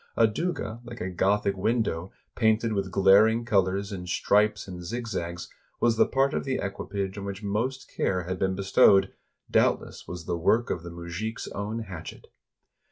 A douga like a Gothic window, painted with glaring colors in stripes and zigzags, was the part of the equipage on which most care had been bestowed — doubtless was the work of the mujik 's own hatchet.